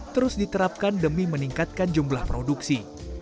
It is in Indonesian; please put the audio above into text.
terus diterapkan demi meningkatkan jumlah produksi